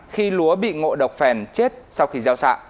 khi lúa bị ngộ độc phèn chết sau khi gieo xạ